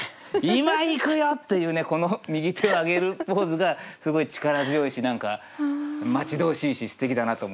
「今行くよ！」っていうねこの右手を上げるポーズがすごい力強いし何か待ち遠しいしすてきだなと思いました。